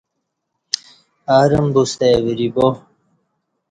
ارم بوستہ وری با